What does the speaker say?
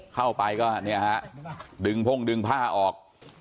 เข้าไปก็เนี่ยฮะดึงพ่งดึงผ้าออก